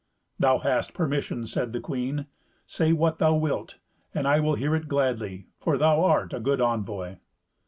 "Thou hast permission," said the queen; "say what thou wilt, and I will hear it gladly, for thou art a good envoy."